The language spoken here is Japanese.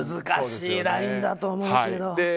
難しいラインだと思うけど。